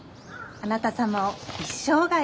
あなた様を一生涯。